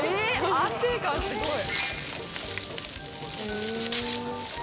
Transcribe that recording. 安定感すごい。